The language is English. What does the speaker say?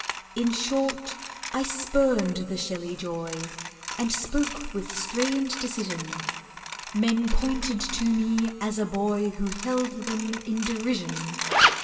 In short, I spurned the shelly joy, And spoke with strange decision— Men pointed to me as a boy Who held them in derision.